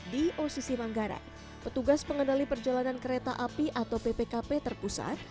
di occ manggarai petugas pengendali perjalanan kereta api atau ppkp terpusat